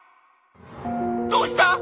「どうした？」。